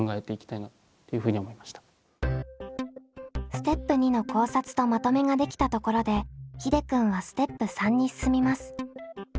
ステップ２の考察とまとめができたところでひでくんはステップ３に進みます。